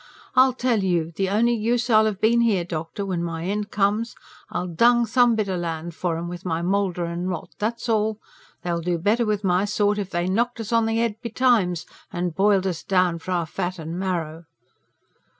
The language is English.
I'll tell you the only use I'll have been here, doctor, when my end comes: I'll dung some bit o' land for 'em with my moulder and rot. That's all. They'd do better with my sort if they knocked us on the head betimes, and boiled us down for our fat and marrow."